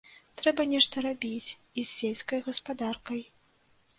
Трэба нешта рабіць і з сельскай гаспадаркай.